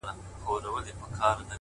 • له پردي جنګه یې ساته زما د خاوري ,